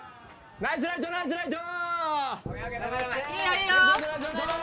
ナイスライトナイスライト！